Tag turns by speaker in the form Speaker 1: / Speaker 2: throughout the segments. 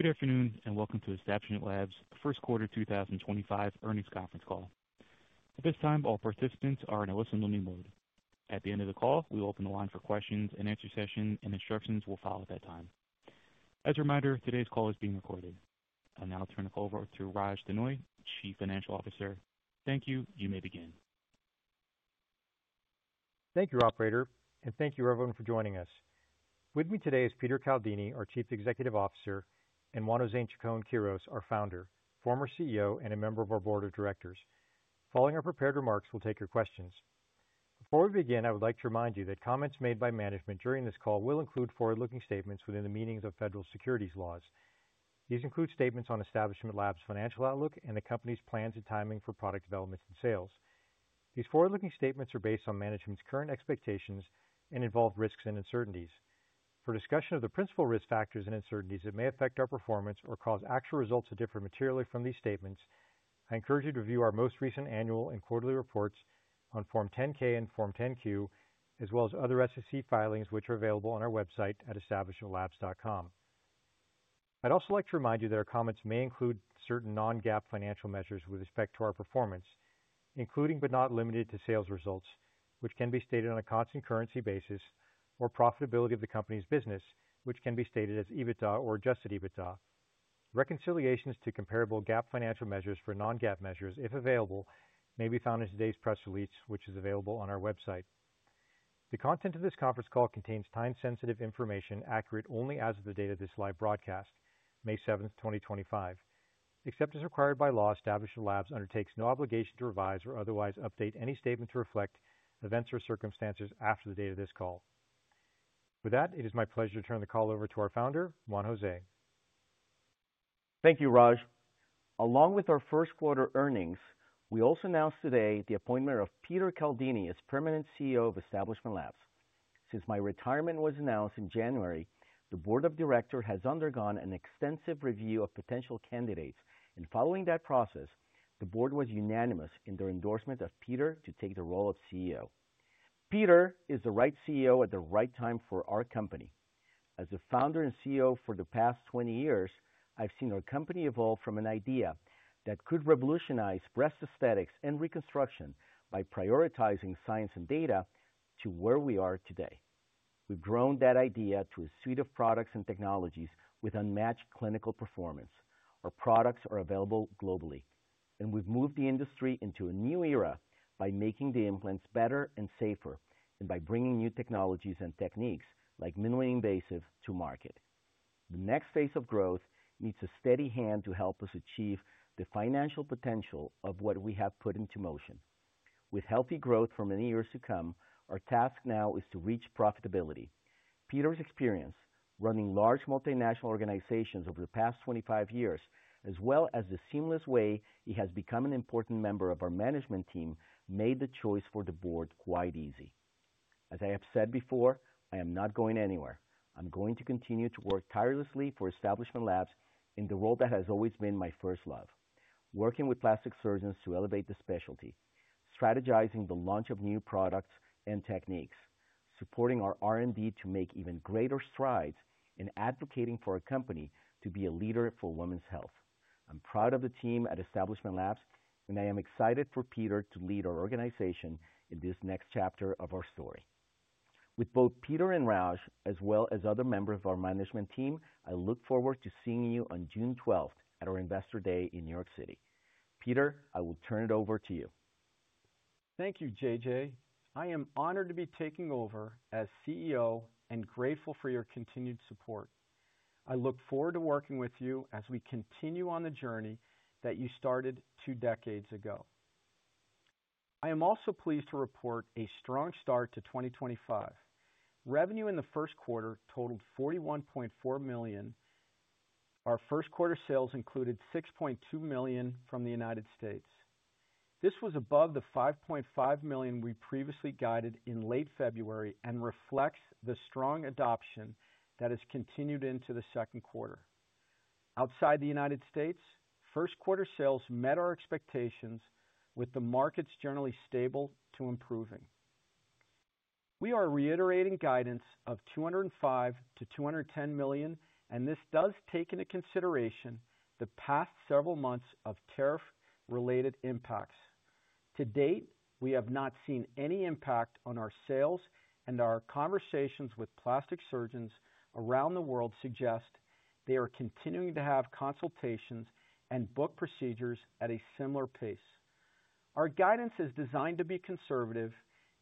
Speaker 1: Good afternoon and welcome to Establishment Labs' first quarter 2025 earnings conference call. At this time, all participants are in a listen-only mode. At the end of the call, we will open the line for questions and answer sessions, and instructions will follow at that time. As a reminder, today's call is being recorded. I'll now turn the call over to Raj Denhoy, Chief Financial Officer. Thank you. You may begin.
Speaker 2: Thank you, Operator, and thank you, everyone, for joining us. With me today is Peter Caldini, our Chief Executive Officer, and Juan Jose Chacon-Quirós, our Founder, former CEO, and a member of our Board of Directors. Following our prepared remarks, we'll take your questions. Before we begin, I would like to remind you that comments made by management during this call will include forward-looking statements within the meanings of federal securities laws. These include statements on Establishment Labs' financial outlook and the company's plans and timing for product development and sales. These forward-looking statements are based on management's current expectations and involve risks and uncertainties. For discussion of the principal risk factors and uncertainties that may affect our performance or cause actual results to differ materially from these statements, I encourage you to review our most recent annual and quarterly reports on Form 10-K and Form 10-Q, as well as other SEC filings which are available on our website at establishmentlabs.com. I'd also like to remind you that our comments may include certain non-GAAP financial measures with respect to our performance, including but not limited to sales results, which can be stated on a constant currency basis, or profitability of the company's business, which can be stated as EBITDA or adjusted EBITDA. Reconciliations to comparable GAAP financial measures for non-GAAP measures, if available, may be found in today's press release, which is available on our website. The content of this conference call contains time-sensitive information accurate only as of the date of this live broadcast, May 7th, 2025. Except as required by law, Establishment Labs undertakes no obligation to revise or otherwise update any statement to reflect events or circumstances after the date of this call. With that, it is my pleasure to turn the call over to our Founder, Juan Jose.
Speaker 3: Thank you, Raj. Along with our first quarter earnings, we also announced today the appointment of Peter Caldini as permanent CEO of Establishment Labs. Since my retirement was announced in January, the Board of Directors has undergone an extensive review of potential candidates, and following that process, the board was unanimous in their endorsement of Peter to take the role of CEO. Peter is the right CEO at the right time for our company. As a founder and CEO for the past 20 years, I've seen our company evolve from an idea that could revolutionize breast aesthetics and reconstruction by prioritizing science and data to where we are today. We've grown that idea to a suite of products and technologies with unmatched clinical performance. Our products are available globally, and we've moved the industry into a new era by making the implants better and safer and by bringing new technologies and techniques like minimally invasive to market. The next phase of growth needs a steady hand to help us achieve the financial potential of what we have put into motion. With healthy growth for many years to come, our task now is to reach profitability. Peter's experience running large multinational organizations over the past 25 years, as well as the seamless way he has become an important member of our management team, made the choice for the board quite easy. As I have said before, I am not going anywhere. I'm going to continue to work tirelessly for Establishment Labs in the role that has always been my first love, working with plastic surgeons to elevate the specialty, strategizing the launch of new products and techniques, supporting our R&D to make even greater strides, in advocating for our company to be a leader for women's health. I'm proud of the team at Establishment Labs, and I am excited for Peter to lead our organization in this next chapter of our story. With both Peter and Raj, as well as other members of our management team, I look forward to seeing you on June 12 at our Investor Day in New York City. Peter, I will turn it over to you.
Speaker 4: Thank you, JJ. I am honored to be taking over as CEO and grateful for your continued support. I look forward to working with you as we continue on the journey that you started two decades ago. I am also pleased to report a strong start to 2025. Revenue in the first quarter totaled $41.4 million. Our first quarter sales included $6.2 million from the United States. This was above the $5.5 million we previously guided in late February and reflects the strong adoption that has continued into the second quarter. Outside the United States, first quarter sales met our expectations, with the markets generally stable to improving. We are reiterating guidance of $205 million to $210 million, and this does take into consideration the past several months of tariff-related impacts. To date, we have not seen any impact on our sales, and our conversations with plastic surgeons around the world suggest they are continuing to have consultations and book procedures at a similar pace. Our guidance is designed to be conservative,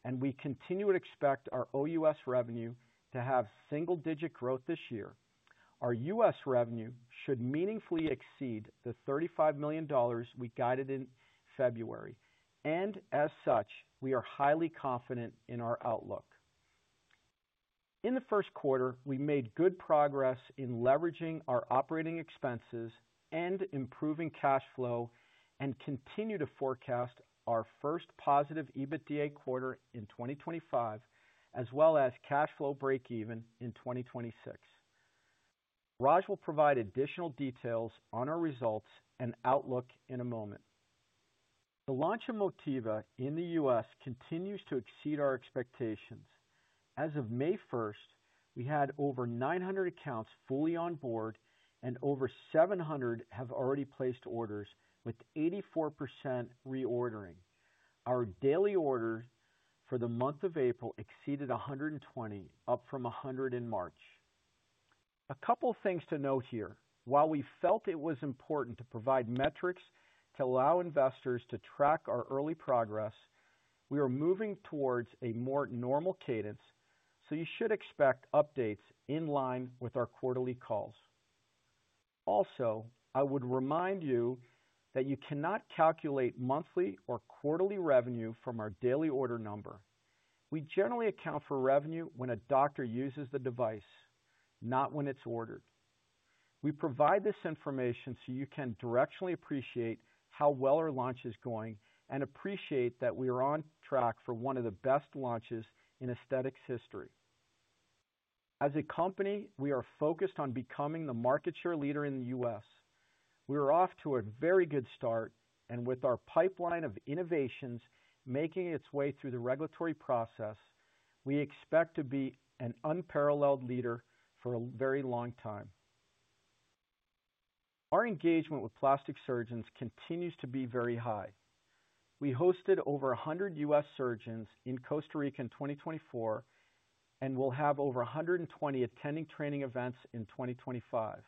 Speaker 4: and we continue to expect our O.U.S. revenue to have single-digit growth this year. Our U.S. revenue should meaningfully exceed the $35 million we guided in February, and as such, we are highly confident in our outlook. In the first quarter, we made good progress in leveraging our operating expenses and improving cash flow and continue to forecast our first positive EBITDA quarter in 2025, as well as cash flow break-even in 2026. Raj will provide additional details on our results and outlook in a moment. The launch of Motiva in the U.S. continues to exceed our expectations. As of May 1st, we had over 900 accounts fully on board, and over 700 have already placed orders, with 84% reordering. Our daily order for the month of April exceeded 120, up from 100 in March. A couple of things to note here. While we felt it was important to provide metrics to allow investors to track our early progress, we are moving towards a more normal cadence, so you should expect updates in line with our quarterly calls. Also, I would remind you that you cannot calculate monthly or quarterly revenue from our daily order number. We generally account for revenue when a doctor uses the device, not when it's ordered. We provide this information so you can directionally appreciate how well our launch is going and appreciate that we are on track for one of the best launches in aesthetics history. As a company, we are focused on becoming the market share leader in the U.S. We are off to a very good start, and with our pipeline of innovations making its way through the regulatory process, we expect to be an unparalleled leader for a very long time. Our engagement with plastic surgeons continues to be very high. We hosted over 100 U.S. surgeons in Costa Rica in 2024 and will have over 120 attending training events in 2025.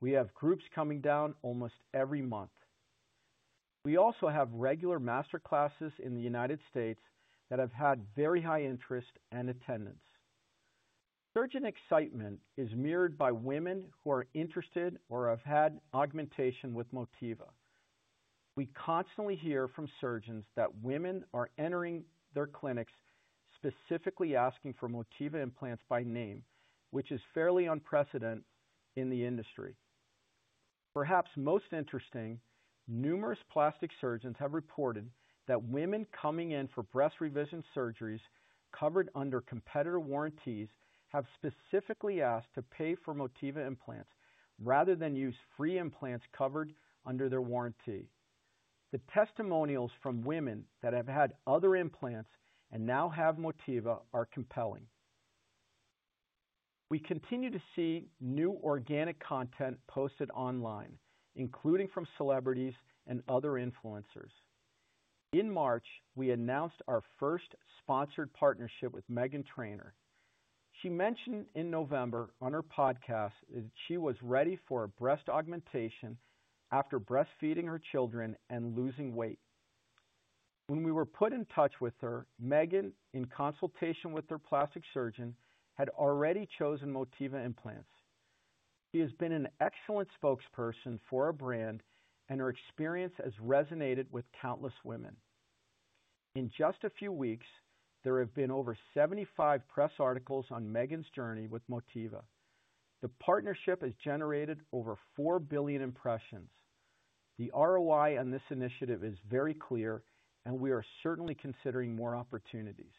Speaker 4: We have groups coming down almost every month. We also have regular master classes in the United States that have had very high interest and attendance. Surgeon excitement is mirrored by women who are interested or have had augmentation with Motiva. We constantly hear from surgeons that women are entering their clinics specifically asking for Motiva implants by name, which is fairly unprecedented in the industry. Perhaps most interesting, numerous plastic surgeons have reported that women coming in for breast revision surgeries covered under competitor warranties have specifically asked to pay for Motiva implants rather than use free implants covered under their warranty. The testimonials from women that have had other implants and now have Motiva are compelling. We continue to see new organic content posted online, including from celebrities and other influencers. In March, we announced our first sponsored partnership with Meghan Trainor. She mentioned in November on her podcast that she was ready for a breast augmentation after breastfeeding her children and losing weight. When we were put in touch with her, Meghan, in consultation with her plastic surgeon, had already chosen Motiva implants. She has been an excellent spokesperson for our brand, and her experience has resonated with countless women. In just a few weeks, there have been over 75 press articles on Meghan's journey with Motiva. The partnership has generated over 4 billion impressions. The ROI on this initiative is very clear, and we are certainly considering more opportunities.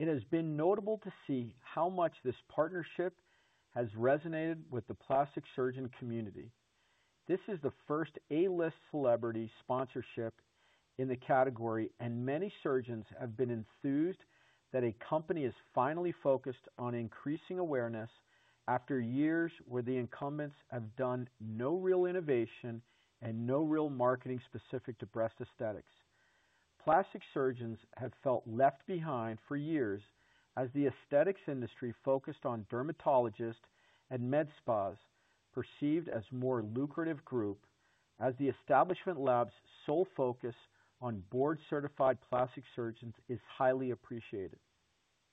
Speaker 4: It has been notable to see how much this partnership has resonated with the plastic surgeon community. This is the first A-list celebrity sponsorship in the category, and many surgeons have been enthused that a company is finally focused on increasing awareness after years where the incumbents have done no real innovation and no real marketing specific to breast aesthetics. Plastic surgeons have felt left behind for years as the aesthetics industry focused on dermatologists and med spas, perceived as a more lucrative group, as the Establishment Labs' sole focus on board-certified plastic surgeons is highly appreciated.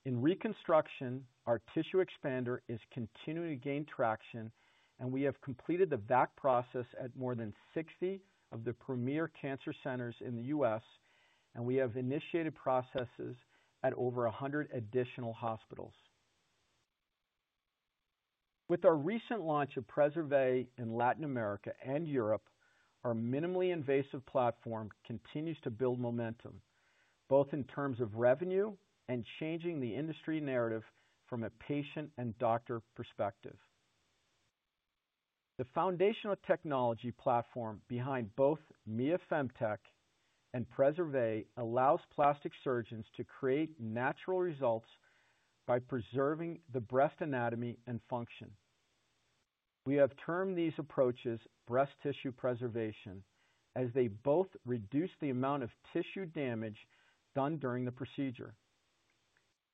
Speaker 4: In reconstruction, our tissue expander is continuing to gain traction, and we have completed the VAC process at more than 60 of the premier cancer centers in the U.S., and we have initiated processes at over 100 additional hospitals. With our recent launch of PreserVe in Latin America and Europe, our minimally invasive platform continues to build momentum, both in terms of revenue and changing the industry narrative from a patient and doctor perspective. The foundational technology platform behind both Mia FemTech and PreserVe allows plastic surgeons to create natural results by preserving the breast anatomy and function. We have termed these approaches breast tissue preservation, as they both reduce the amount of tissue damage done during the procedure.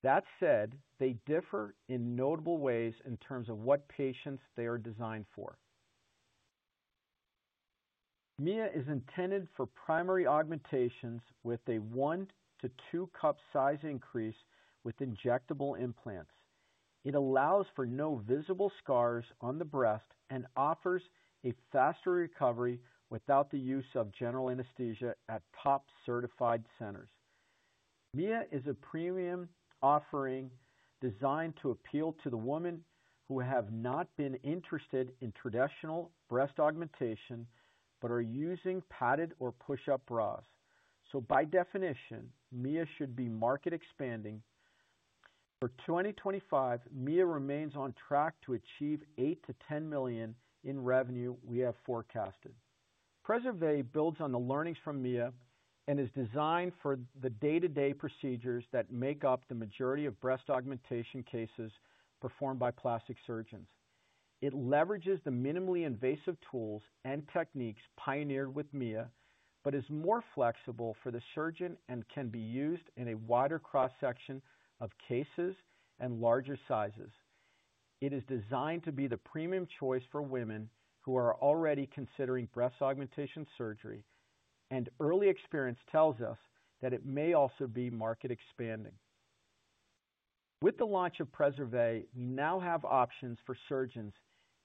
Speaker 4: That said, they differ in notable ways in terms of what patients they are designed for. Mia is intended for primary augmentations with a one to two cup size increase with injectable implants. It allows for no visible scars on the breast and offers a faster recovery without the use of general anesthesia at top certified centers. Mia is a premium offering designed to appeal to the women who have not been interested in traditional breast augmentation but are using padded or push-up bras. By definition, Mia should be market expanding. For 2025, Mia remains on track to achieve $8 million to $10 million in revenue we have forecasted. PreserVe builds on the learnings from Mia and is designed for the day-to-day procedures that make up the majority of breast augmentation cases performed by plastic surgeons. It leverages the minimally invasive tools and techniques pioneered with Mia, but is more flexible for the surgeon and can be used in a wider cross-section of cases and larger sizes. It is designed to be the premium choice for women who are already considering breast augmentation surgery, and early experience tells us that it may also be market expanding. With the launch of PreserVe, we now have options for surgeons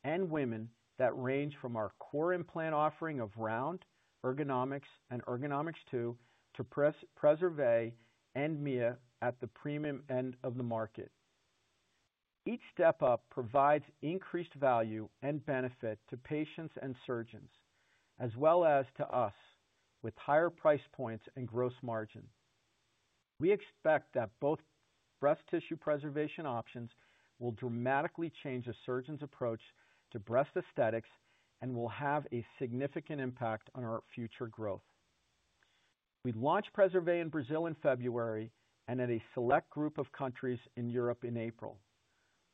Speaker 4: and women that range from our core implant offering of Round, Ergonomix, and Ergonomix 2 to PreserVe and Mia at the premium end of the market. Each step up provides increased value and benefit to patients and surgeons, as well as to us, with higher price points and gross margin. We expect that both breast tissue preservation options will dramatically change a surgeon's approach to breast aesthetics and will have a significant impact on our future growth. We launched PreserVe in Brazil in February and at a select group of countries in Europe in April.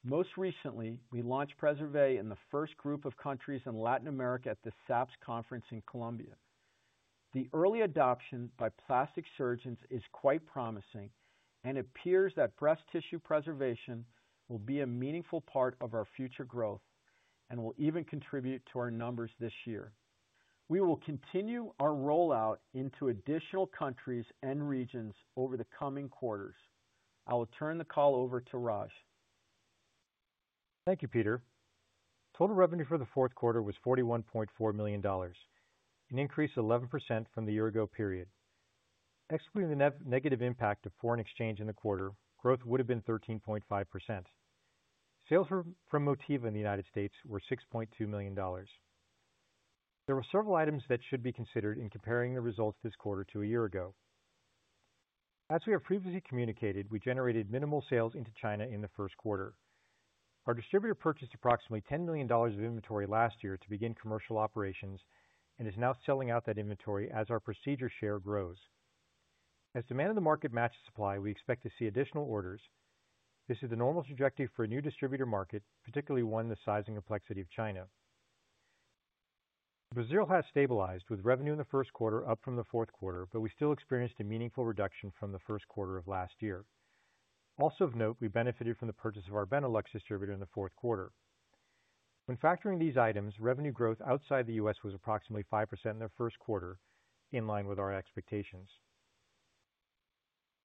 Speaker 4: Most recently, we launched PreserVe in the first group of countries in Latin America at the SAPS conference in Colombia. The early adoption by plastic surgeons is quite promising, and it appears that breast tissue preservation will be a meaningful part of our future growth and will even contribute to our numbers this year. We will continue our rollout into additional countries and regions over the coming quarters. I will turn the call over to Raj.
Speaker 2: Thank you, Peter. Total revenue for the fourth quarter was $41.4 million, an increase of 11% from the year-ago period. Excluding the negative impact of foreign exchange in the quarter, growth would have been 13.5%. Sales from Motiva in the United States were $6.2 million. There were several items that should be considered in comparing the results this quarter to a year ago. As we have previously communicated, we generated minimal sales into China in the first quarter. Our distributor purchased approximately $10 million of inventory last year to begin commercial operations and is now selling out that inventory as our procedure share grows. As demand in the market matches supply, we expect to see additional orders. This is the normal trajectory for a new distributor market, particularly one in the size and complexity of China. Brazil has stabilized, with revenue in the first quarter up from the fourth quarter, but we still experienced a meaningful reduction from the first quarter of last year. Also of note, we benefited from the purchase of our Benelux distributor in the fourth quarter. When factoring these items, revenue growth outside the U.S. was approximately 5% in the first quarter, in line with our expectations.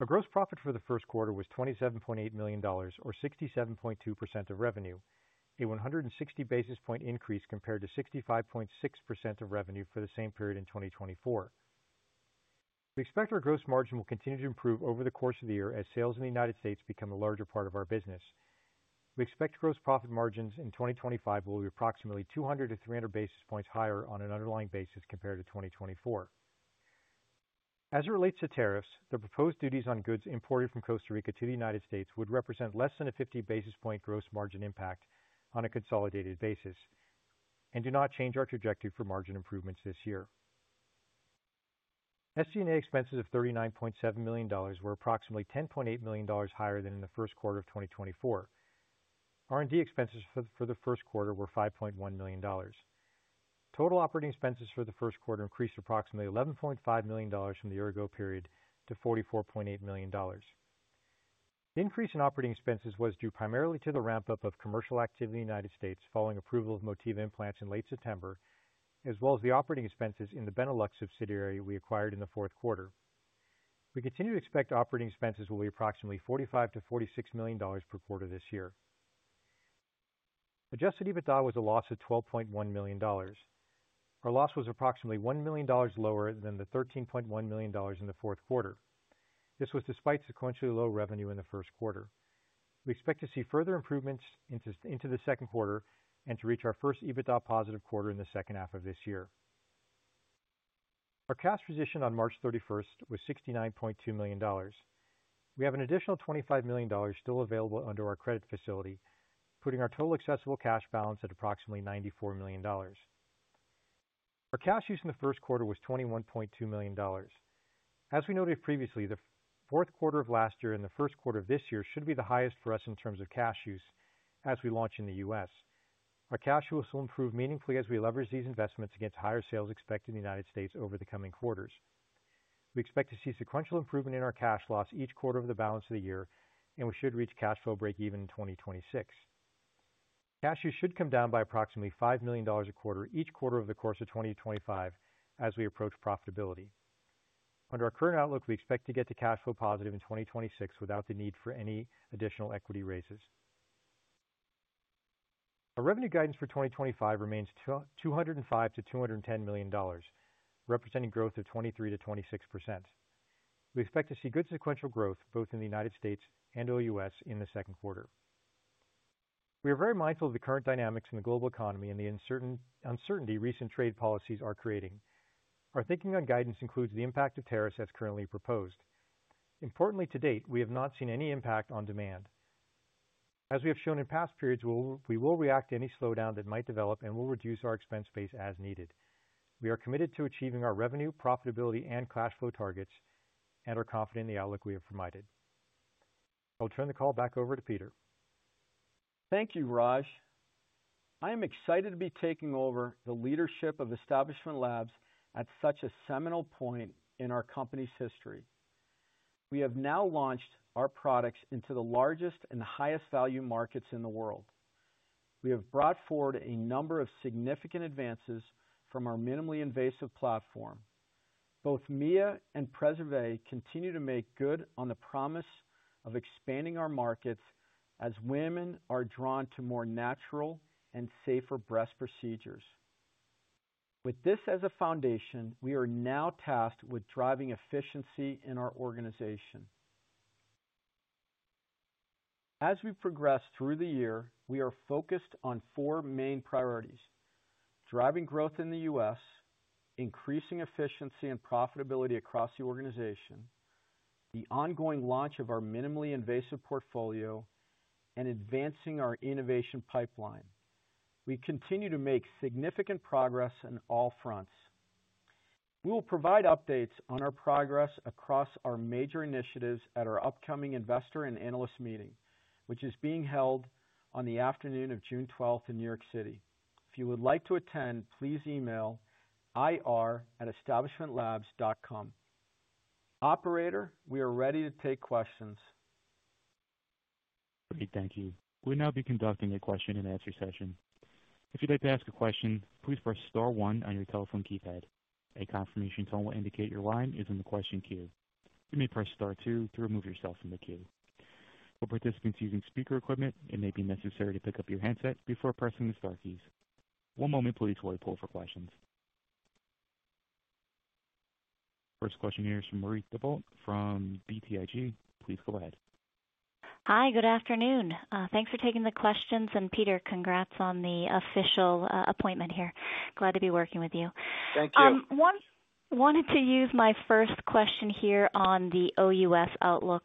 Speaker 2: Our gross profit for the first quarter was $27.8 million, or 67.2% of revenue, a 160 basis point increase compared to 65.6% of revenue for the same period in 2024. We expect our gross margin will continue to improve over the course of the year as sales in the United States become a larger part of our business. We expect gross profit margins in 2025 will be approximately 200 to 300 basis points higher on an underlying basis compared to 2024. As it relates to tariffs, the proposed duties on goods imported from Costa Rica to the United States would represent less than a 50 basis point gross margin impact on a consolidated basis and do not change our trajectory for margin improvements this year. SG&A expenses of $39.7 million were approximately $10.8 million higher than in the first quarter of 2024. R&D expenses for the first quarter were $5.1 million. Total operating expenses for the first quarter increased approximately $11.5 million from the year-ago period to $44.8 million. The increase in operating expenses was due primarily to the ramp-up of commercial activity in the United States following approval of Motiva implants in late September, as well as the operating expenses in the Benelux subsidiary we acquired in the fourth quarter. We continue to expect operating expenses will be approximately $45 million to $46 million per quarter this year. Adjusted EBITDA was a loss of $12.1 million. Our loss was approximately $1 million lower than the $13.1 million in the fourth quarter. This was despite sequentially low revenue in the first quarter. We expect to see further improvements into the second quarter and to reach our first EBITDA positive quarter in the second half of this year. Our cash position on March 31 was $69.2 million. We have an additional $25 million still available under our credit facility, putting our total accessible cash balance at approximately $94 million. Our cash use in the first quarter was $21.2 million. As we noted previously, the fourth quarter of last year and the first quarter of this year should be the highest for us in terms of cash use as we launch in the U.S. Our cash use will improve meaningfully as we leverage these investments against higher sales expected in the United States over the coming quarters. We expect to see sequential improvement in our cash loss each quarter of the balance of the year, and we should reach cash flow break-even in 2026. Cash use should come down by approximately $5 million a quarter each quarter of the course of 2025 as we approach profitability. Under our current outlook, we expect to get to cash flow positive in 2026 without the need for any additional equity raises. Our revenue guidance for 2025 remains $205 million to $210 million, representing growth of 23% to 26%. We expect to see good sequential growth both in the United States and the U.S. in the second quarter. We are very mindful of the current dynamics in the global economy and the uncertainty recent trade policies are creating. Our thinking on guidance includes the impact of tariffs as currently proposed. Importantly, to date, we have not seen any impact on demand. As we have shown in past periods, we will react to any slowdown that might develop and will reduce our expense base as needed. We are committed to achieving our revenue, profitability, and cash flow targets and are confident in the outlook we have provided. I'll turn the call back over to Peter.
Speaker 4: Thank you, Raj. I am excited to be taking over the leadership of Establishment Labs at such a seminal point in our company's history. We have now launched our products into the largest and highest value markets in the world. We have brought forward a number of significant advances from our minimally invasive platform. Both Mia and PreserVe continue to make good on the promise of expanding our markets as women are drawn to more natural and safer breast procedures. With this as a foundation, we are now tasked with driving efficiency in our organization. As we progress through the year, we are focused on four main priorities: driving growth in the U.S., increasing efficiency and profitability across the organization, the ongoing launch of our minimally invasive portfolio, and advancing our innovation pipeline. We continue to make significant progress on all fronts. We will provide updates on our progress across our major initiatives at our upcoming investor and analyst meeting, which is being held on the afternoon of June 12 in New York City. If you would like to attend, please email ir@establishmentlabs.com. Operator, we are ready to take questions.
Speaker 1: Great, thank you. We'll now be conducting a question-and-answer session. If you'd like to ask a question, please press Star one on your telephone keypad. A confirmation tone will indicate your line is in the question queue. You may press Star Two to remove yourself from the queue. For participants using speaker equipment, it may be necessary to pick up your handset before pressing the Star keys. One moment, please, while we pull up for questions. First question here is from Marie Thibault from BTIG. Please go ahead.
Speaker 5: Hi, good afternoon. Thanks for taking the questions. Peter, congrats on the official appointment here. Glad to be working with you.
Speaker 4: Thank you.
Speaker 5: I wanted to use my first question here on the OUS outlook.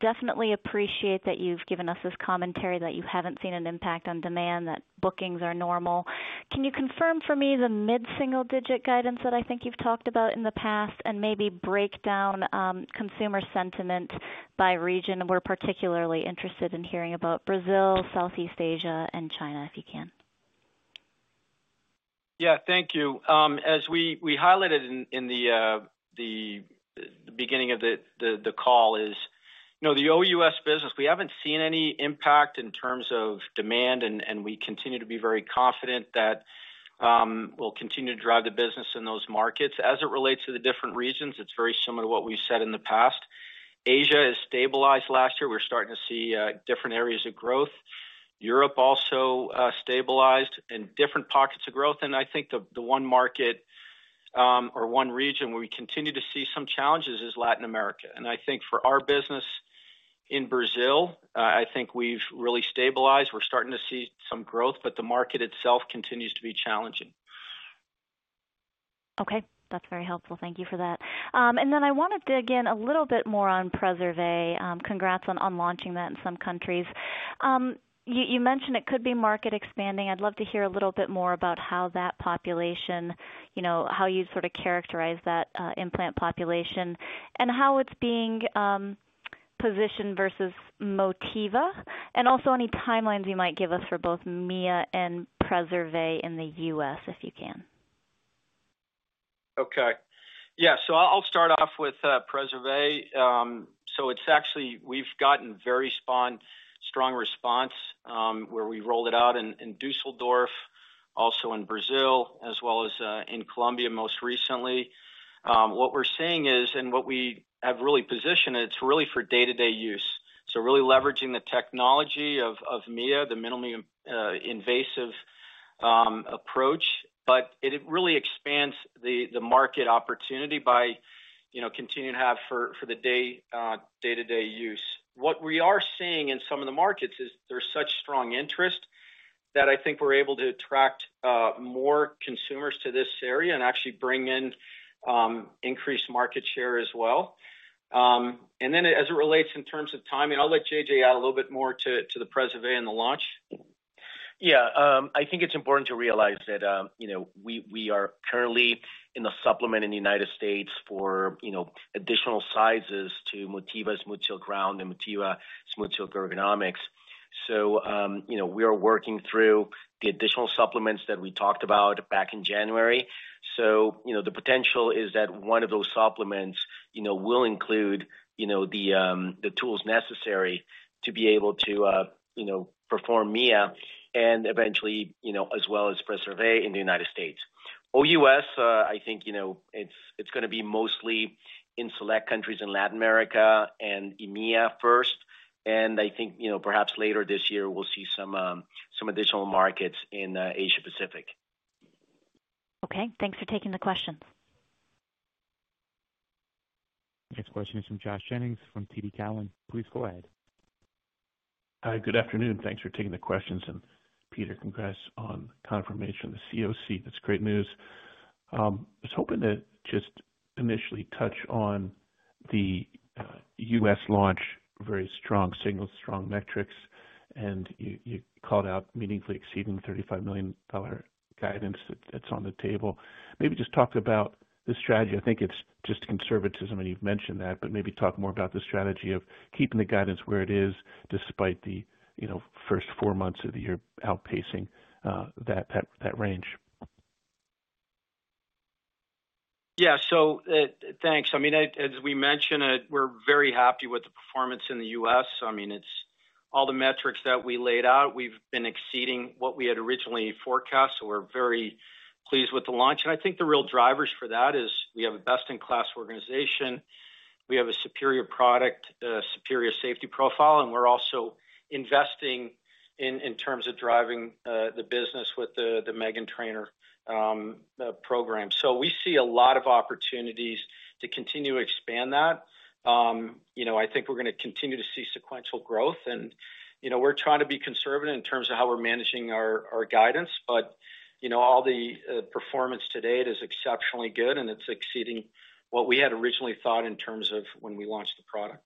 Speaker 5: Definitely appreciate that you've given us this commentary that you haven't seen an impact on demand, that bookings are normal. Can you confirm for me the mid-single-digit guidance that I think you've talked about in the past and maybe break down consumer sentiment by region? We're particularly interested in hearing about Brazil, Southeast Asia, and China, if you can.
Speaker 4: Yeah, thank you. As we highlighted in the beginning of the call, the OUS business, we haven't seen any impact in terms of demand, and we continue to be very confident that we'll continue to drive the business in those markets. As it relates to the different regions, it's very similar to what we've said in the past. Asia has stabilized last year. We're starting to see different areas of growth. Europe also stabilized in different pockets of growth. I think the one market or one region where we continue to see some challenges is Latin America. I think for our business in Brazil, I think we've really stabilized. We're starting to see some growth, but the market itself continues to be challenging.
Speaker 5: Okay, that's very helpful. Thank you for that. I want to dig in a little bit more on PreserVe. Congrats on launching that in some countries. You mentioned it could be market expanding. I'd love to hear a little bit more about how that population, how you'd sort of characterize that implant population, and how it's being positioned versus Motiva, and also any timelines you might give us for both Mia and PreserVe in the U.S., if you can.
Speaker 4: Okay. Yeah, so I'll start off with PreserVe. It's actually we've gotten very strong response where we rolled it out in Düsseldorf, also in Brazil, as well as in Colombia most recently. What we're seeing is, and what we have really positioned, it's really for day-to-day use. Really leveraging the technology of Mia, the minimally invasive approach, but it really expands the market opportunity by continuing to have for the day-to-day use. What we are seeing in some of the markets is there's such strong interest that I think we're able to attract more consumers to this area and actually bring in increased market share as well. Then as it relates in terms of timing, I'll let JJ add a little bit more to the PreserVe and the launch.
Speaker 3: Yeah, I think it's important to realize that we are currently in the supplement in the United States for additional sizes to Motiva's SmoothSilk Round and Motiva's Ergonomix. So we are working through the additional supplements that we talked about back in January. The potential is that one of those supplements will include the tools necessary to be able to perform Mia and eventually as well as PreserVe in the United States. OUS, I think it's going to be mostly in select countries in Latin America and EMEA first. I think perhaps later this year, we'll see some additional markets in Asia-Pacific.
Speaker 5: Okay, thanks for taking the questions.
Speaker 1: Next question is from Josh Jennings from TD Cowen. Please go ahead.
Speaker 6: Hi, good afternoon. Thanks for taking the questions. Peter, congrats on confirmation of the CEO seat. That's great news. I was hoping to just initially touch on the U.S. launch, very strong signals, strong metrics, and you called out meaningfully exceeding $35 million guidance that's on the table. Maybe just talk about the strategy. I think it's just conservatism, and you've mentioned that, but maybe talk more about the strategy of keeping the guidance where it is despite the first four months of the year outpacing that range.
Speaker 4: Yeah, so thanks. I mean, as we mentioned, we're very happy with the performance in the U.S. I mean, it's all the metrics that we laid out. We've been exceeding what we had originally forecast, so we're very pleased with the launch. I think the real drivers for that is we have a best-in-class organization. We have a superior product, superior safety profile, and we're also investing in terms of driving the business with the Meghan Trainor program. We see a lot of opportunities to continue to expand that. I think we're going to continue to see sequential growth. We're trying to be conservative in terms of how we're managing our guidance, but all the performance to date is exceptionally good, and it's exceeding what we had originally thought in terms of when we launched the product.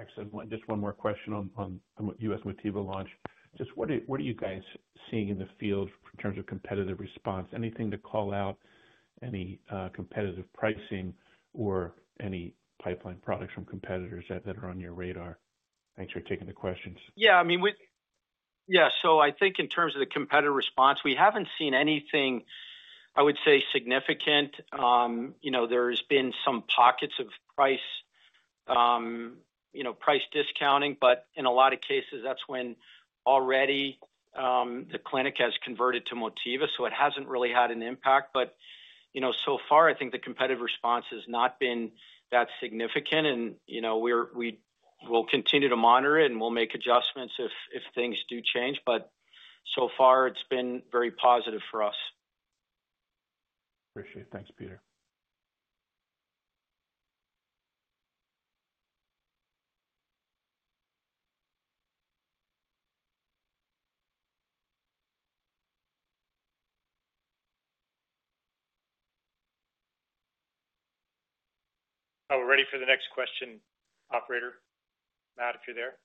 Speaker 6: Excellent. Just one more question on the U.S. Motiva launch. Just what are you guys seeing in the field in terms of competitive response? Anything to call out, any competitive pricing, or any pipeline products from competitors that are on your radar? Thanks for taking the questions.
Speaker 4: Yeah, I mean, yeah, so I think in terms of the competitive response, we haven't seen anything, I would say, significant. There has been some pockets of price discounting, but in a lot of cases, that's when already the clinic has converted to Motiva, so it hasn't really had an impact. So far, I think the competitive response has not been that significant, and we will continue to monitor it, and we'll make adjustments if things do change. So far, it's been very positive for us.
Speaker 6: Appreciate it. Thanks, Peter.
Speaker 4: Oh, ready for the next question, Operator? Matt, if you're there.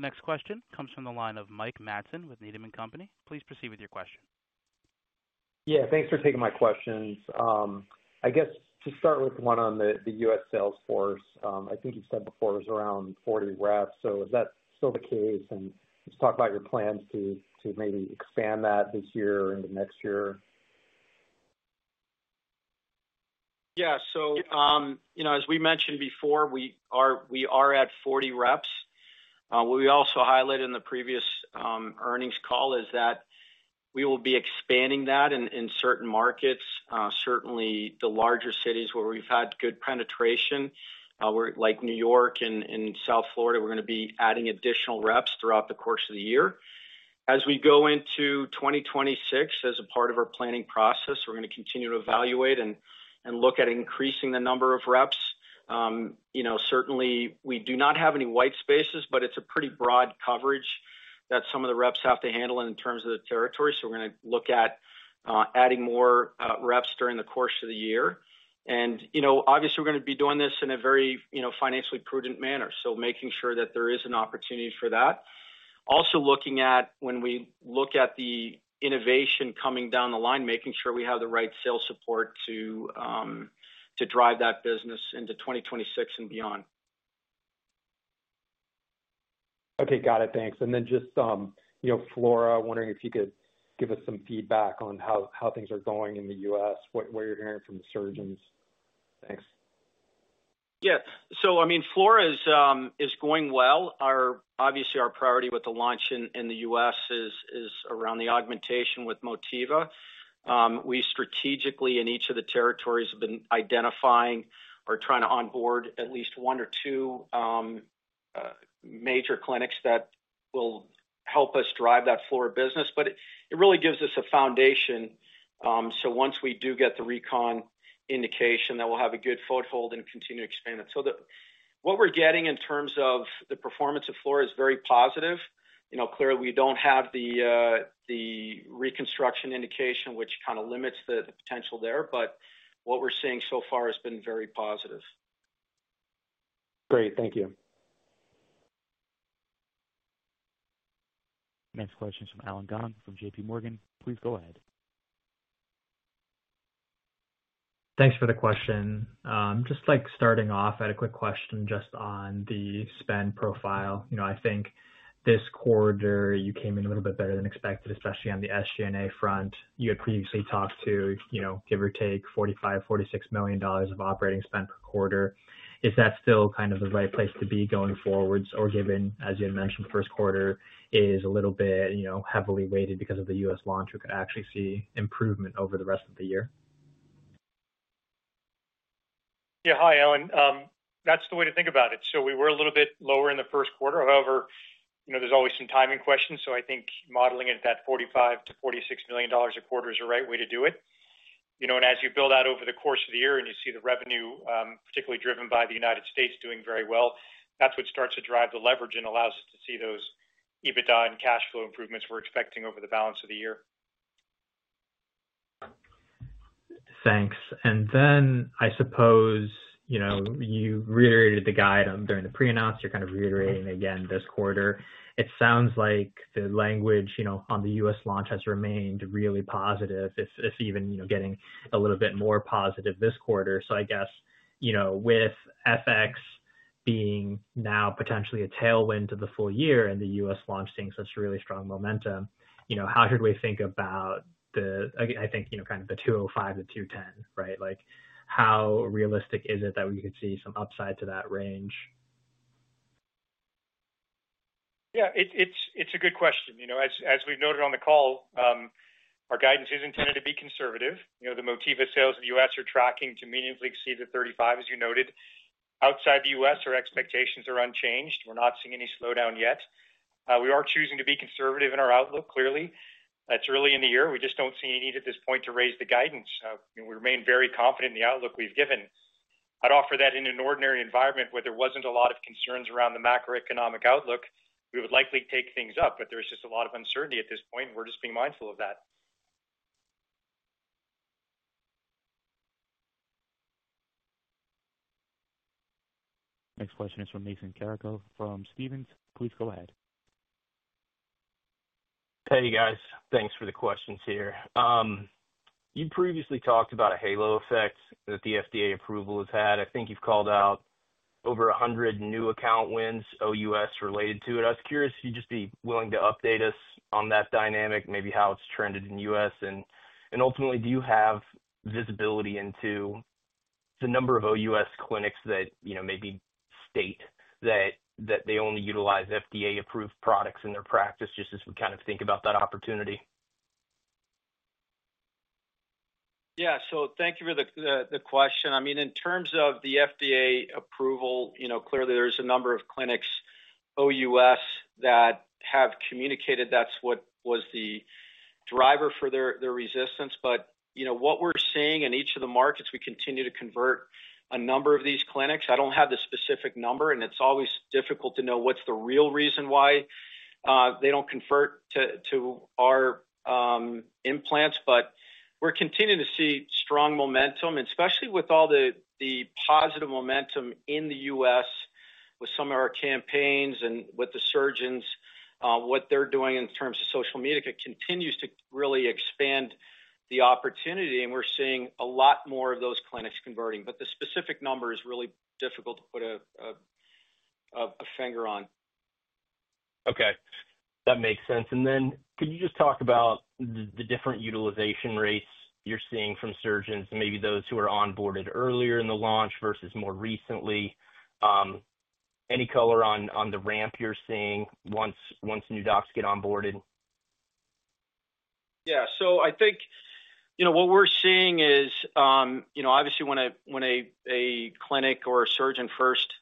Speaker 1: The next question comes from the line of Mike Matson with Needham & Company. Please proceed with your question.
Speaker 7: Yeah, thanks for taking my questions. I guess to start with one on the U.S. Salesforce, I think you said before it was around 40 reps. Is that still the case? Just talk about your plans to maybe expand that this year into next year.
Speaker 4: Yeah, so as we mentioned before, we are at 40 reps. What we also highlighted in the previous earnings call is that we will be expanding that in certain markets. Certainly, the larger cities where we've had good penetration, like New York and South Florida, we're going to be adding additional reps throughout the course of the year. As we go into 2026, as a part of our planning process, we're going to continue to evaluate and look at increasing the number of reps. Certainly, we do not have any white spaces, but it's a pretty broad coverage that some of the reps have to handle in terms of the territory. We are going to look at adding more reps during the course of the year. Obviously, we're going to be doing this in a very financially prudent manner, making sure that there is an opportunity for that. Also looking at when we look at the innovation coming down the line, making sure we have the right sales support to drive that business into 2026 and beyond.
Speaker 7: Okay, got it. Thanks. Flora, wondering if you could give us some feedback on how things are going in the U.S., what you're hearing from the surgeons? Thanks.
Speaker 4: Yeah, so I mean, Flora is going well. Obviously, our priority with the launch in the U.S. is around the augmentation with Motiva. We strategically, in each of the territories, have been identifying or trying to onboard at least one or two major clinics that will help us drive that Flora business. It really gives us a foundation. Once we do get the recon indication, that will have a good foothold and continue to expand it. What we're getting in terms of the performance of Flora is very positive. Clearly, we do not have the reconstruction indication, which kind of limits the potential there, but what we're seeing so far has been very positive.
Speaker 7: Great, thank you.
Speaker 1: Next question is from Allen Gong from JPMorgan. Please go ahead.
Speaker 8: Thanks for the question. Just starting off, I had a quick question just on the spend profile. I think this quarter, you came in a little bit better than expected, especially on the SG&A front. You had previously talked to, give or take, $45 million to $46 million of operating spend per quarter. Is that still kind of the right place to be going forward? Or given, as you had mentioned, the first quarter is a little bit heavily weighted because of the U.S. launch, we could actually see improvement over the rest of the year?
Speaker 4: Yeah, hi, Allen. That's the way to think about it. We were a little bit lower in the first quarter. However, there's always some timing questions. I think modeling it at that $45 million to $46 million a quarter is the right way to do it. As you build out over the course of the year and you see the revenue, particularly driven by the United States, doing very well, that's what starts to drive the leverage and allows us to see those EBITDA and cash flow improvements we're expecting over the balance of the year.
Speaker 8: Thanks. I suppose you reiterated the guidance during the pre-announced. You're kind of reiterating again this quarter. It sounds like the language on the U.S. launch has remained really positive, if even getting a little bit more positive this quarter. I guess with FX being now potentially a tailwind to the full year and the U.S. launch seeing such really strong momentum, how should we think about the, I think, kind of the $205 to $210, right? How realistic is it that we could see some upside to that range?
Speaker 4: Yeah, it's a good question. As we've noted on the call, our guidance is intended to be conservative. The Motiva sales in the U.S. are tracking to meaningfully exceed the 35, as you noted. Outside the U.S., our expectations are unchanged. We're not seeing any slowdown yet. We are choosing to be conservative in our outlook, clearly. It's early in the year. We just don't see any need at this point to raise the guidance. We remain very confident in the outlook we've given. I'd offer that in an ordinary environment where there wasn't a lot of concerns around the macroeconomic outlook, we would likely take things up, but there's just a lot of uncertainty at this point. We're just being mindful of that.
Speaker 1: Next question is from Mason Carrico from Stephens. Please go ahead.
Speaker 9: Hey, guys. Thanks for the questions here. You previously talked about a halo effect that the FDA approval has had. I think you've called out over 100 new account wins, OUS related to it. I was curious if you'd just be willing to update us on that dynamic, maybe how it's trended in the U.S. Ultimately, do you have visibility into the number of OUS clinics that maybe state that they only utilize FDA-approved products in their practice just as we kind of think about that opportunity?
Speaker 4: Yeah, so thank you for the question. I mean, in terms of the FDA approval, clearly, there's a number of clinics, OUS, that have communicated that's what was the driver for their resistance. What we're seeing in each of the markets, we continue to convert a number of these clinics. I don't have the specific number, and it's always difficult to know what's the real reason why they don't convert to our implants. We're continuing to see strong momentum, and especially with all the positive momentum in the U.S. with some of our campaigns and with the surgeons, what they're doing in terms of social media continues to really expand the opportunity, and we're seeing a lot more of those clinics converting. The specific number is really difficult to put a finger on.
Speaker 9: Okay, that makes sense. Could you just talk about the different utilization rates you're seeing from surgeons, maybe those who are onboarded earlier in the launch versus more recently? Any color on the ramp you're seeing once new docs get onboarded?
Speaker 4: Yeah, so I think what we're seeing is obviously when a clinic or a surgeon first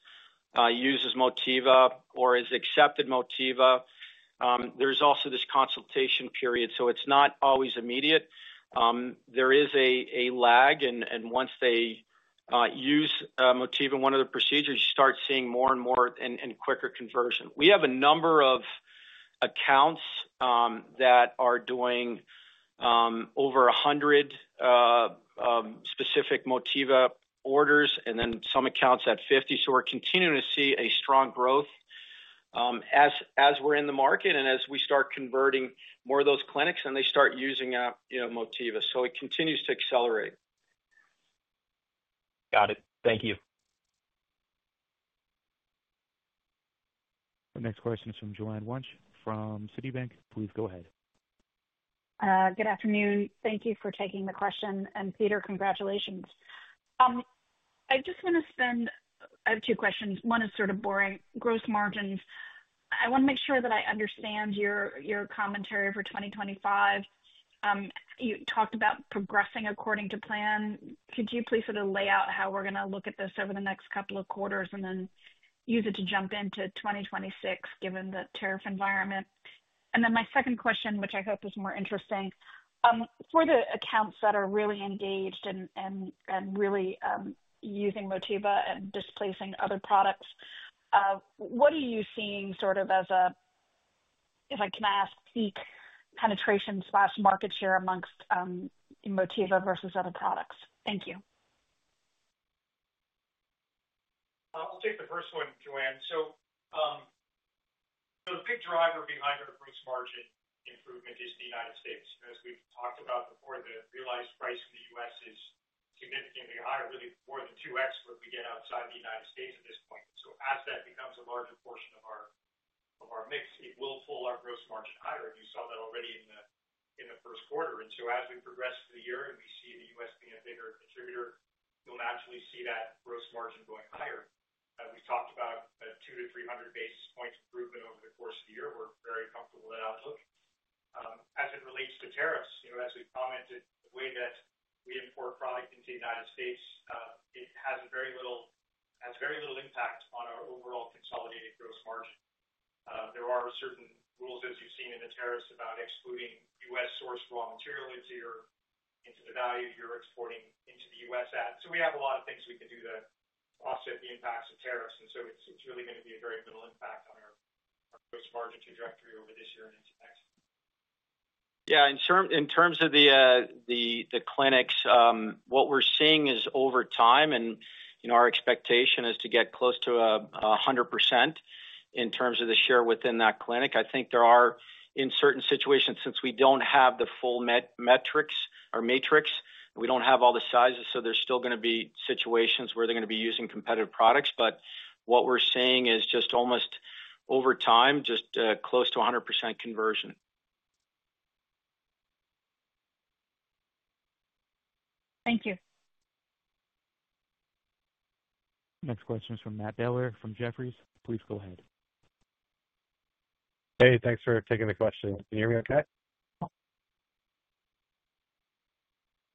Speaker 4: uses Motiva or has accepted Motiva, there's also this consultation period. It's not always immediate. There is a lag, and once they use Motiva in one of the procedures, you start seeing more and more and quicker conversion. We have a number of accounts that are doing over 100 specific Motiva orders and then some accounts at 50. We're continuing to see strong growth as we're in the market and as we start converting more of those clinics and they start using Motiva. It continues to accelerate.
Speaker 9: Got it. Thank you.
Speaker 1: Next question is from Joanne Wuensch from Citibank. Please go ahead.
Speaker 10: Good afternoon. Thank you for taking the question. Peter, congratulations. I just want to spend, I have two questions. One is sort of boring: gross margins. I want to make sure that I understand your commentary for 2025. You talked about progressing according to plan. Could you please sort of lay out how we are going to look at this over the next couple of quarters and then use it to jump into 2026 given the tariff environment? My second question, which I hope is more interesting, for the accounts that are really engaged and really using Motiva and displacing other products, what are you seeing sort of as a, if I can ask, peak penetration/market share amongst Motiva versus other products? Thank you.
Speaker 3: I'll take the first one, Joanne. The big driver behind our gross margin improvement is the United States. As we've talked about before, the realized price in the U.S. is significantly higher, really more than 2x what we get outside the United States at this point. As that becomes a larger portion of our mix, it will pull our gross margin higher. You saw that already in the first quarter. As we progress through the year and we see the U.S. being a bigger contributor, you'll naturally see that gross margin going higher. We've talked about 200 to 300 basis points improvement over the course of the year. We're very comfortable with that outlook. As it relates to tariffs, as we commented, the way that we import product into the United States, it has very little impact on our overall consolidated gross margin. There are certain rules, as you've seen in the tariffs, about excluding U.S. sourced raw material into the value you're exporting into the U.S. at. We have a lot of things we can do to offset the impacts of tariffs. It is really going to be a very little impact on our gross margin trajectory over this year and into next.
Speaker 4: Yeah, in terms of the clinics, what we're seeing is over time, and our expectation is to get close to 100% in terms of the share within that clinic. I think there are, in certain situations, since we don't have the full metrics or matrix, we don't have all the sizes, so there's still going to be situations where they're going to be using competitive products. What we're seeing is just almost over time, just close to 100% conversion.
Speaker 10: Thank you.
Speaker 1: Next question is from Matt Dehler from Jefferies. Please go ahead.
Speaker 11: Hey, thanks for taking the question. Can you hear me okay?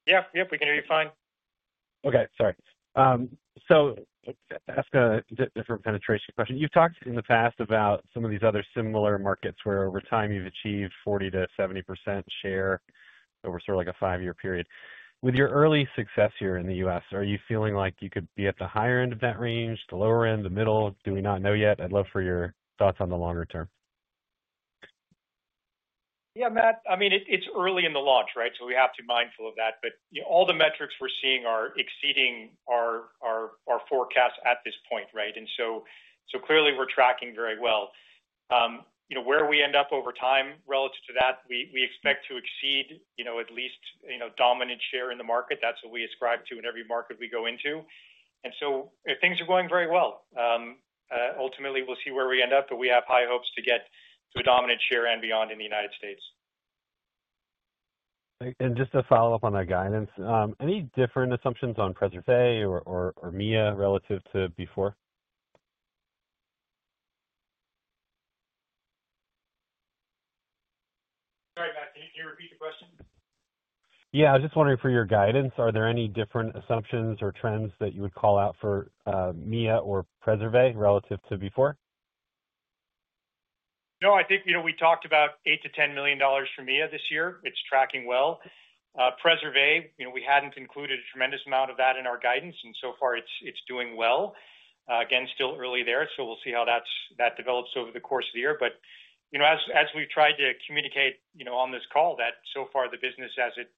Speaker 3: Yeah, yep, we can hear you fine.
Speaker 11: Okay, sorry. To ask a different penetration question, you've talked in the past about some of these other similar markets where over time you've achieved 40% to 70% share over sort of like a five-year period. With your early success here in the U.S., are you feeling like you could be at the higher end of that range, the lower end, the middle? Do we not know yet? I'd love for your thoughts on the longer term.
Speaker 4: Yeah, Matt, I mean, it's early in the launch, right? We have to be mindful of that. All the metrics we're seeing are exceeding our forecast at this point, right? Clearly, we're tracking very well. Where we end up over time relative to that, we expect to exceed at least dominant share in the market. That's what we ascribe to in every market we go into. Things are going very well. Ultimately, we'll see where we end up, but we have high hopes to get to a dominant share and beyond in the United States.
Speaker 11: Just to follow up on that guidance, any different assumptions on PreserVe or Mia relative to before?
Speaker 3: Sorry, Matt, can you repeat the question?
Speaker 11: Yeah, I was just wondering for your guidance, are there any different assumptions or trends that you would call out for Mia or PreserVe relative to before?
Speaker 4: No, I think we talked about $8 million to $10 million for Mia this year. It's tracking well. PreserVe, we hadn't included a tremendous amount of that in our guidance, and so far it's doing well. Again, still early there, so we'll see how that develops over the course of the year. As we've tried to communicate on this call, so far the business, as it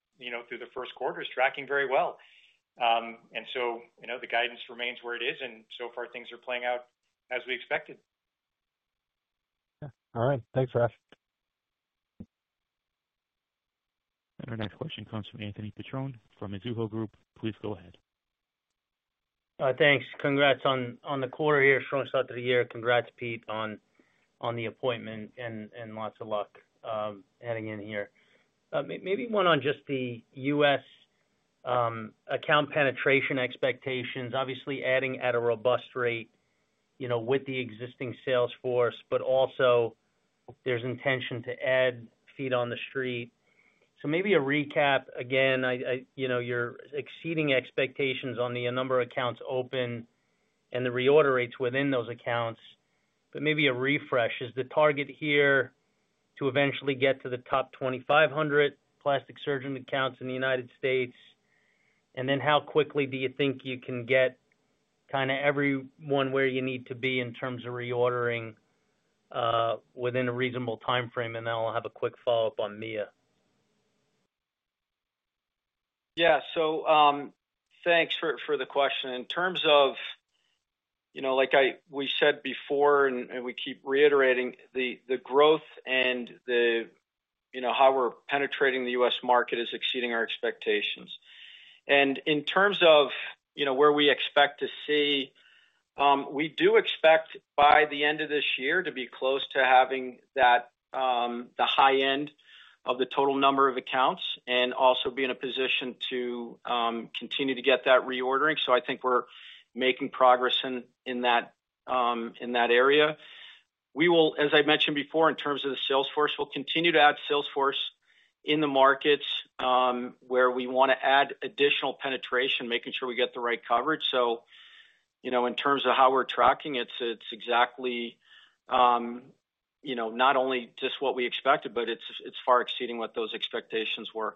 Speaker 4: through the first quarter, is tracking very well. The guidance remains where it is, and so far things are playing out as we expected.
Speaker 11: Yeah, all right. Thanks, Russ.
Speaker 1: Our next question comes from Anthony Petrone from Mizuho Group. Please go ahead.
Speaker 12: Thanks. Congrats on the quarter here, strong start to the year. Congrats, Pete, on the appointment and lots of luck heading in here. Maybe one on just the U.S. account penetration expectations, obviously adding at a robust rate with the existing sales force, but also there's intention to add feet on the street. Maybe a recap. Again, you're exceeding expectations on the number of accounts open and the reorder rates within those accounts, but maybe a refresh. Is the target here to eventually get to the top 2,500 plastic surgeon accounts in the United States? How quickly do you think you can get kind of everyone where you need to be in terms of reordering within a reasonable timeframe? I have a quick follow-up on Mia.
Speaker 4: Yeah, so thanks for the question. In terms of, like we said before, and we keep reiterating, the growth and how we're penetrating the U.S. market is exceeding our expectations. In terms of where we expect to see, we do expect by the end of this year to be close to having the high end of the total number of accounts and also be in a position to continue to get that reordering. I think we're making progress in that area. We will, as I mentioned before, in terms of the sales force, continue to add sales force in the markets where we want to add additional penetration, making sure we get the right coverage. In terms of how we're tracking, it's exactly not only just what we expected, but it's far exceeding what those expectations were.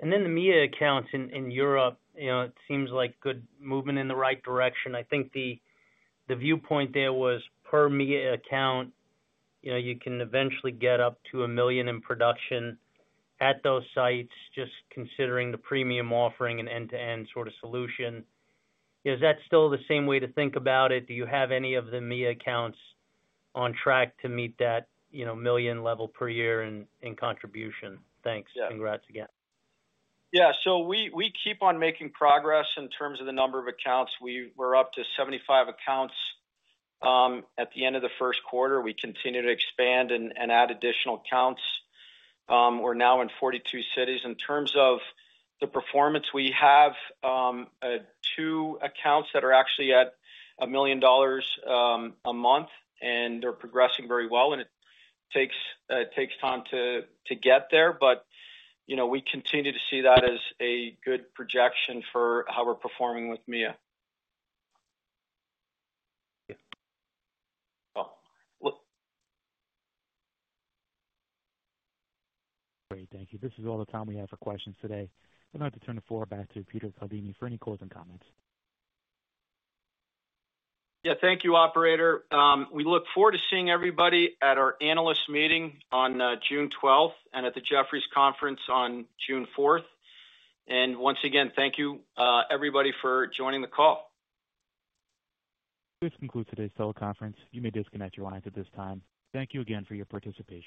Speaker 12: The Mia accounts in Europe, it seems like good movement in the right direction. I think the viewpoint there was per Mia account, you can eventually get up to $1 million in production at those sites, just considering the premium offering and end-to-end sort of solution. Is that still the same way to think about it? Do you have any of the Mia accounts on track to meet that $1 million level per year in contribution? Thanks. Congrats again.
Speaker 4: Yeah, so we keep on making progress in terms of the number of accounts. We're up to 75 accounts at the end of the first quarter. We continue to expand and add additional accounts. We're now in 42 cities. In terms of the performance, we have two accounts that are actually at $1 million a month, and they're progressing very well. It takes time to get there, but we continue to see that as a good projection for how we're performing with Mia.
Speaker 12: Yeah. Great, thank you.
Speaker 1: This is all the time we have for questions today. I'd like to turn the floor back to Peter Caldini for any closing comments.
Speaker 4: Yeah, thank you, Operator. We look forward to seeing everybody at our analyst meeting on June 12 and at the Jefferies Conference on June 4. Once again, thank you, everybody, for joining the call.
Speaker 1: This concludes today's teleconference. You may disconnect your lines at this time. Thank you again for your participation.